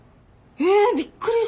えびっくりした。